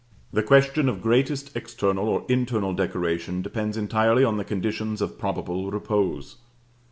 The question of greatest external or internal decoration depends entirely on the conditions of probable repose.